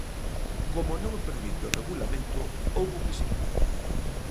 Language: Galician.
Como non o permite o regulamento, houbo que seguir.